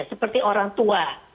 seperti orang tua